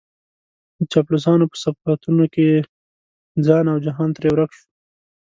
د چاپلوسانو په صفتونو کې ځان او جهان ترې ورک شوی.